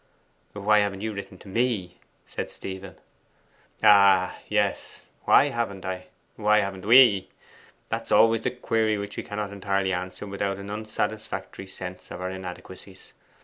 'Why haven't you written to me?' said Stephen. 'Ah, yes. Why haven't I? why haven't we? That's always the query which we cannot clearly answer without an unsatisfactory sense of our inadequacies.